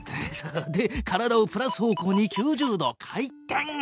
で体をプラス方向に９０度回転！